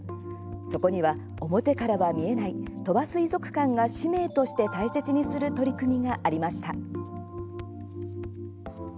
そこには表からは見えない鳥羽水族館が使命として大切にする取り組みがありました。